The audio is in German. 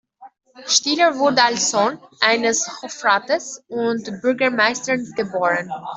Stieler wurde als Sohn eines Hofrates und Bürgermeisters geboren.